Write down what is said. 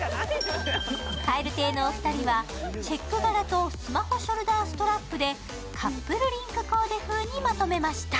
蛙亭の２人はチェック柄とスマホショルダーストラップでカップルリンクコーデ風にまとめました。